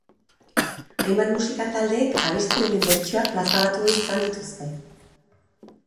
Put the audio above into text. Hainbat musika taldeek abesti honen bertsioak plazaratu ohi izan dituzte.